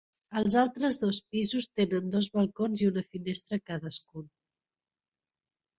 Els altres dos pisos tenen dos balcons i una finestra cadascun.